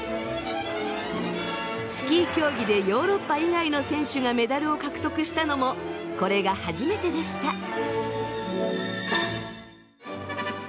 スキー競技でヨーロッパ以外の選手がメダルを獲得したのもこれが初めてでした。